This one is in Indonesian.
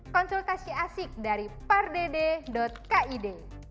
konsultasi asik dari pardede kid